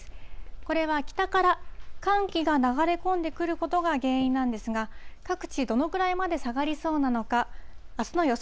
これは北から寒気が流れ込んでくることが原因なんですが、各地、どのくらいまで下がりそうなのか、あすの予想